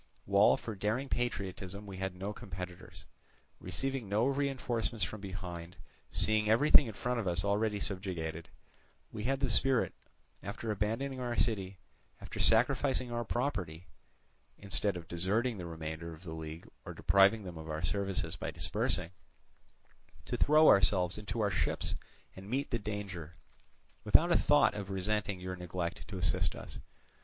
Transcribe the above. While for daring patriotism we had no competitors. Receiving no reinforcements from behind, seeing everything in front of us already subjugated, we had the spirit, after abandoning our city, after sacrificing our property (instead of deserting the remainder of the league or depriving them of our services by dispersing), to throw ourselves into our ships and meet the danger, without a thought of resenting your neglect to assist us.